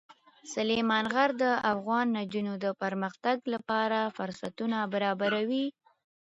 سلیمان غر د افغان نجونو د پرمختګ لپاره فرصتونه برابروي.